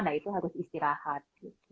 nah itu harus istirahat